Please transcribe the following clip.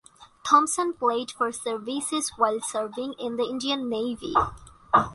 Thomson played for Services while serving in the Indian Navy.